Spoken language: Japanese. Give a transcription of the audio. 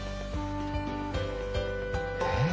えっ？